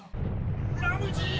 ・ラムジー！！